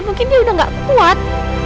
mungkin dia udah gak kuat